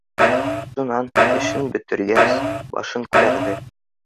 Шунан, эшен бөтөргәс, башын күтәрҙе